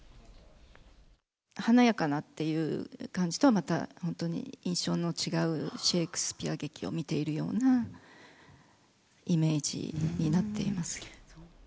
華やかなっていう感じとはまた本当に印象の違うシェークスピア劇を見ているような、イメージになっています。